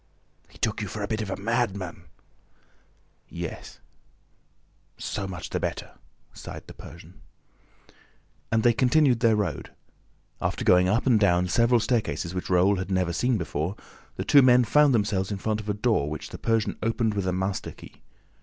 "He took you for a bit of a madman?" "Yes." "So much the better!" sighed the Persian. And they continued their road. After going up and down several staircases which Raoul had never seen before, the two men found themselves in front of a door which the Persian opened with a master key.